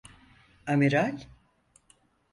Amiral?